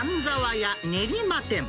家練馬店。